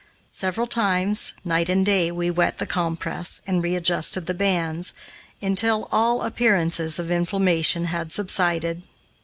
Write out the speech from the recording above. Several times, night and day, we wet the compress and readjusted the bands, until all appearances of inflammation had subsided.